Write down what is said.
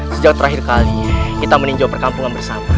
sejak terakhir kali kita meninjau perkampungan bersama